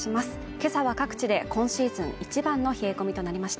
今朝は各地で今シーズン一番の冷え込みとなりました